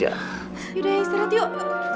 yaudah istirahat yuk